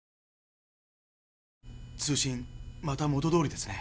通信また元通りですね。